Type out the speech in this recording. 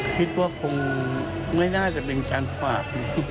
คิดว่าคงไม่น่าจะเป็นการฝาก